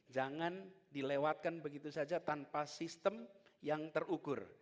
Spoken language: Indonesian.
jangan dilewatkan begitu saja tanpa sistem yang terukur